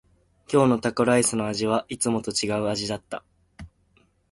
今日のタコライスの味はいつもと違う味だった。